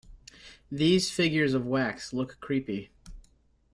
These figures of wax look creepy.